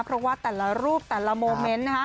เพราะว่าแต่ละรูปแต่ละโมเมนต์นะคะ